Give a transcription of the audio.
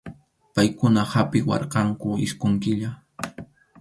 Paykuna hapʼiwarqanku isqun killa.